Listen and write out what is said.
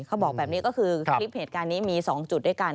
เขาบอกแบบนี้ก็คือคลิปเหตุการณ์นี้มี๒จุดด้วยกัน